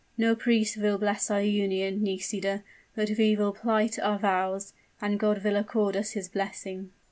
No priest will bless our union, Nisida; but we will plight our vows and God will accord us his blessing."